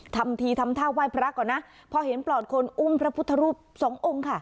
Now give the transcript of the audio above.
ทำทีทำท่าไหว้พระก่อนนะพอเห็นปลอดคนอุ้มพระพุทธรูปสององค์ค่ะ